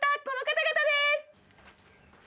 この方々です！